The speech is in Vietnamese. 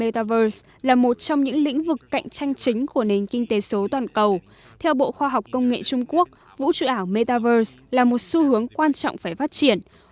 metaverse là một trong những lĩnh vực cạnh tranh chính của nền kinh tế số toàn cầu theo bộ khoa học công nghệ trung quốc vũ trụ ảo metaverse là một xu hướng quan trọng phải phát triển